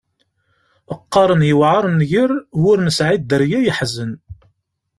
Qqaren yewεer nnger, w’ur nesεi dderya yeḥzen.